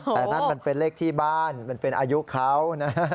แต่นั่นมันเป็นเลขที่บ้านมันเป็นอายุเขานะ